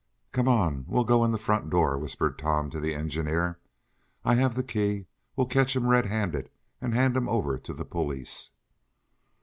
"Come on! We'll go in the front door," whispered Tom to the engineer. "I have the key. We'll catch him red handed, and hand him over to the police."